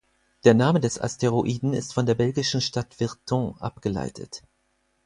Der Name des Asteroiden ist von der belgischen Stadt Virton abgeleitet.